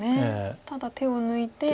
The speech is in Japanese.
ただ手を抜いて。